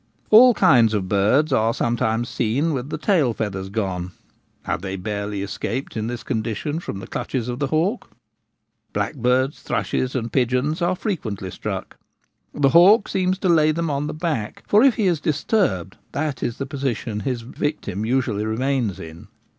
All kinds of birds are sometimes seen with the tail feathers gone : have they barely escaped in this condition from the clutches of the hawk ? Blackbirds, thrushes, and pigeons are frequently struck : the hawk seems to lay them on the back, for if he is disturbed that is the position his victim usually remains in.